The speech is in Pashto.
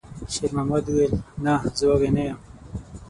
شېرمحمد وویل: «نه، زه وږی نه یم.»